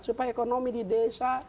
supaya ekonomi di desa